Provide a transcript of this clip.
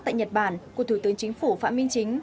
tại nhật bản của thủ tướng chính phủ phạm minh chính